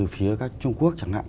phía các trung quốc chẳng hạn